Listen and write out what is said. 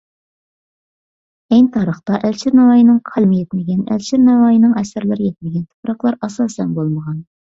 ئەينى تارىختا ئەلىشىر نەۋائىينىڭ قەلىمى يەتمىگەن، ئەلىشىر نەۋائىينىڭ ئەسەرلىرى يەتمىگەن تۇپراقلار ئاساسەن بولمىغان.